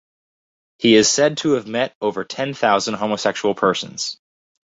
He is said to have met over ten thousand homosexual persons.